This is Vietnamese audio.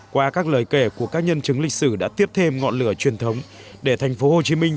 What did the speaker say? qua các lời kể của các nhân chứng lịch sử đã tiếp thêm ngọn lửa truyền thống để thành phố hồ chí minh